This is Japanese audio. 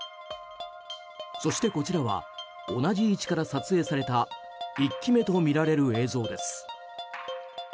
そして、こちらは同じ位置から撮影された１機目とみられる映像です。